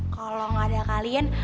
kalo gak ada kalian